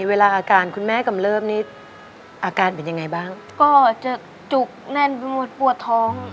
เวลาอาการคุณแม่กำเริบนี่อาการเป็นยังไงบ้างก็จะจุกแน่นไปหมดปวดท้อง